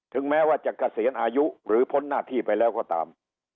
แม้ว่าจะเกษียณอายุหรือพ้นหน้าที่ไปแล้วก็ตาม